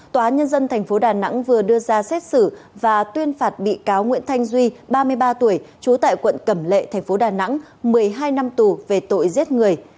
tòa nhân dân tp đà nẵng vừa đưa ra xét xử và tuyên phạt bị cáo nguyễn thanh duy ba mươi ba tuổi trú tại quận cẩm lệ thành phố đà nẵng một mươi hai năm tù về tội giết người